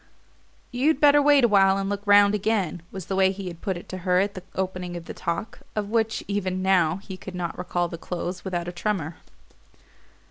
"You'd better wait awhile and look round again," was the way he had put it to her at the opening of the talk of which, even now, he could not recall the close without a tremor.